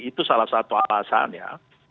itu salah satu alasan ya